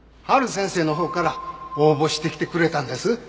陽先生のほうから応募してきてくれたんです。